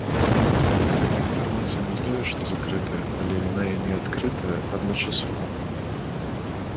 Гэтая інфармацыя не тое што закрытая, але яна і не адкрытая адначасова.